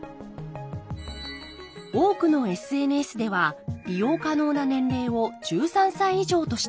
多くのＳＮＳでは利用可能な年齢を１３歳以上としています。